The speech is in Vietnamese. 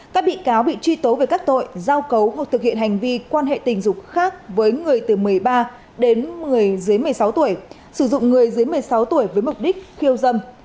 các bị cáo bị truy tố về các tội giao cấu hoặc thực hiện hành vi quan hệ tình dục khác với người từ một mươi ba đến một mươi dưới một mươi sáu tuổi sử dụng người dưới một mươi sáu tuổi với mục đích khiêu dâm